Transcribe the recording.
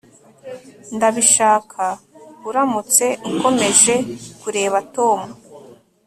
Ndabishaka uramutse ukomeje kureba Tom